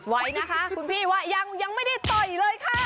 ไว้นะคะคุณพี่ว่ายังไม่ได้ต่อยเลยค่ะ